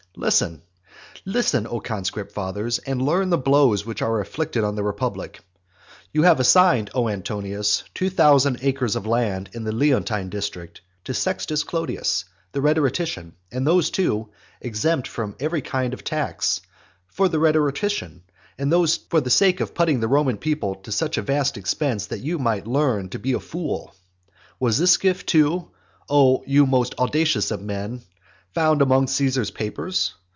Listen, listen, O conscript fathers, and learn the blows which are inflicted on the republic. You have assigned, O Antonius, two thousand acres which is often translated acre also, of land, in the Leontine district, to Sextus Clodius, the rhetorician, and those, too, exempt from every kind of tax, for the sake of putting the Roman people to such a vast expense that you might learn to be a fool. Was this gift, too, O you most audacious of men, found among Caesar's papers?